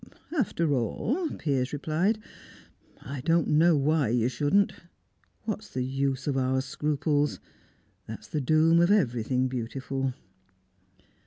"After all," Piers replied, "I don't know why you shouldn't. What's the use of our scruples? That's the doom of everything beautiful."